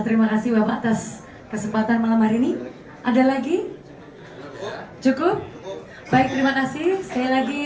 terima kasih bapak atas kesempatan malam hari ini ada lagi cukup baik terima kasih sekali lagi